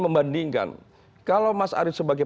membandingkan kalau mas arief sebagai